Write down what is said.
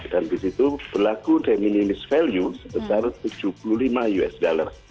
dan di situ berlaku diminished value sebesar tujuh puluh lima usd